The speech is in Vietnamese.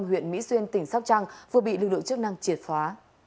huyện mỹ xuyên tỉnh sóc trăng vừa bị lực lượng chức năng triệt phá